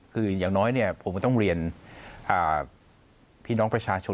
คืออย่างน้อยผมก็ต้องเรียนพี่น้องประชาชน